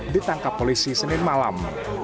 ditangkap polisi senin malam